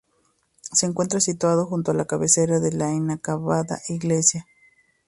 Se encuentra situada junto a la cabecera de la inacabada Iglesia.